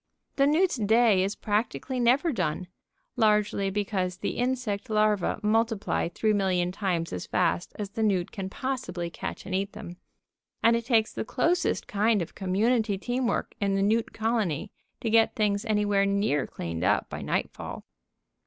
The newt's day is practically never done, largely because the insect larvæ multiply three million times as fast as the newt can possibly catch and eat them. And it takes the closest kind of community team work in the newt colony to get things anywhere near cleaned up by nightfall.